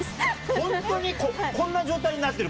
ホントにこんな状態になってる？